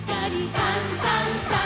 「さんさんさん」